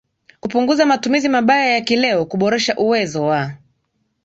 kupunguza matumizi mabaya ya kileo kuboresha uwezo wa